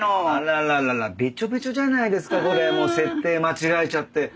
あららららべちょべちょじゃないですかこれもう設定間違えちゃって。